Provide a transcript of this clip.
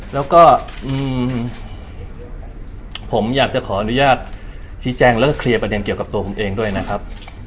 แล้วก็ผมอยากจะขออนุญาตชี้แจงแล้วก็เคลียร์ประเด็นเกี่ยวกับตัวผมเองด้วยนะครับ